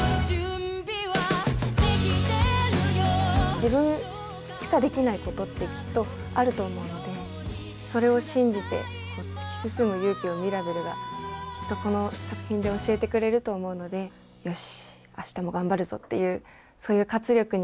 自分しかできないことってきっとあると思うので、それを信じて突き進む勇気をミラベルが、きっとこの作品で教えてくれると思うので、よし！